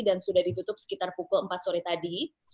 dan sudah ditutup sekitar pukul empat sore tadi